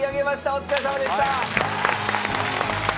お疲れさまでした！